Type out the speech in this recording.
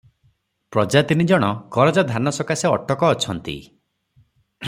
ପ୍ରଜା ତିନିଜଣ କରଜା ଧାନ ସକାଶେ ଅଟକ ଅଛନ୍ତି ।